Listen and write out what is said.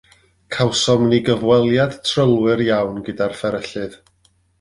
Cawsom ni gyfweliad trylwyr iawn gyda'r fferyllydd.